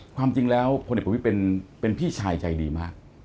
ความจริงแล้วพลเอกประวิทย์เป็นพี่ชายใจดีมาก